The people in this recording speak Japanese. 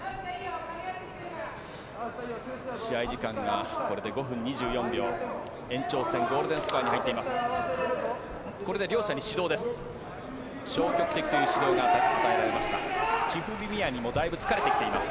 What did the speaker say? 試合時間がこれで５分２４秒延長戦、ゴールデンスコアに入っています。